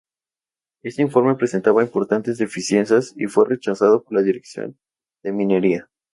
Este informe presentaba importantes deficiencias y fue rechazado por la dirección de Minería.